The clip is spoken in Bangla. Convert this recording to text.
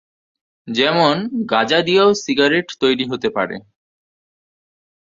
যেমন, গাঁজা দিয়েও সিগারেট তৈরি হতে পারে।